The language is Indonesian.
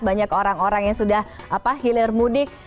banyak orang orang yang sudah hilir mudik